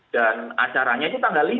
dan acaranya itu tanggal lima